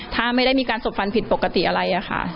ถ้าไม่ได้มีการสบฟันผิดปกติอะไรอะค่ะ